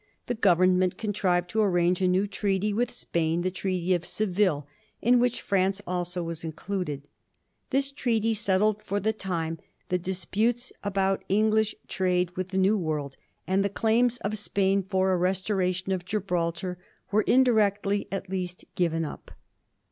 The Government contrived to arrange a new treaty with Spain, the Treaty of Seville, in which France also was included. This treaty settled for the time the dis putes about English trade with the Xew World, and the claims of Spain for a restoration of Gibraltar were, indirectly at least, given up.